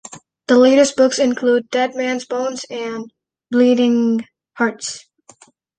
The latest books include "Dead Man's Bones" and "Bleeding Hearts".